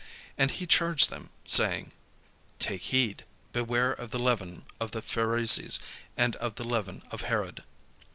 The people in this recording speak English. And he charged them, saying: "Take heed, beware of the leaven of the Pharisees, and of the leaven of Herod."